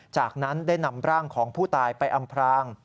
จากนั้นได้นำร่างของผู้ตายไปอำพราง